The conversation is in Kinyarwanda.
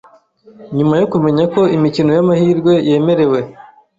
Nyuma yo kumenya ko imikino y’amahirwe yemerewe